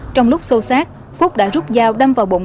trong lúc xô sát phúc đã rút dao đâm vào bụng